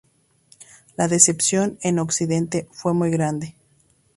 La decepción en Occidente fue muy grande.